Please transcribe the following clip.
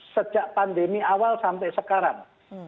sejak pandemi awal sampai sekarang